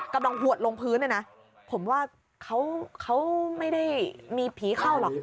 หวดลงพื้นเนี่ยนะผมว่าเขาไม่ได้มีผีเข้าหรอก